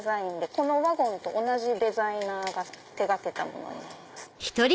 このワゴンと同じデザイナーが手がけたものになります。